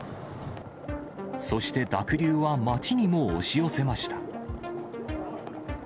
そして濁流は町にも押し寄せました。